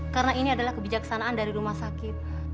karena ini adalah kebijaksanaan dari rumah sakit